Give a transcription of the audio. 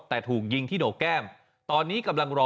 แต่ถูกยิงที่โหนกแก้มตอนนี้กำลังรอ